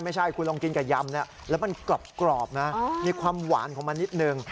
ไม่ใช่คุณลองกินกับยำเนี่ยแล้วมันกรอบนะมีความหวานของมันนิดนึง